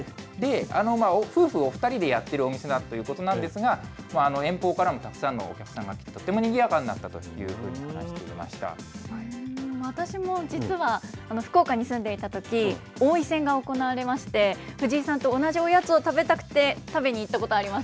夫婦お２人でやっているお店だということなんですが、遠方からもお客さんでとってもにぎやかになったというふうに話し私も実は、福岡に住んでいたとき、王位戦が行われまして、藤井さんと同じおやつを食べたくて食べに行ったことあります。